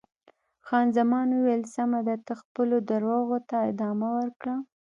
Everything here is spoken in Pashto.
خان زمان وویل: سمه ده، ته خپلو درواغو ته ادامه ورکړه.